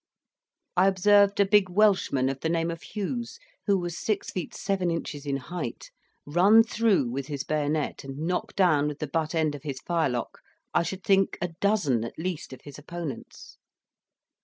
I observed a big Welshman of the name of Hughes, who was six feet seven inches in height, run through with his bayonet, and knock down with the butt end of his firelock, I should think a dozen at least of his opponents.